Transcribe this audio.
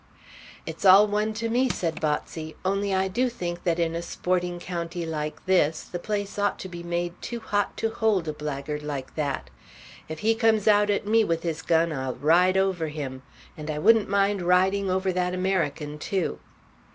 "It's all one to me," said Botsey; "only I do think that in a sporting county like this the place ought to be made too hot to hold a blackguard like that. If he comes out at me with his gun I'll ride over him. And I wouldn't mind riding over that American too."